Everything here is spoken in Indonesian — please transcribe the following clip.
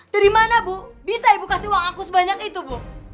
dari mana bu bisa ibu kasih uang aku sebanyak itu bu